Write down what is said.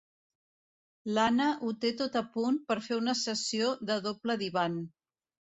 L'Anna ho té tot a punt per fer una sessió de doble divan.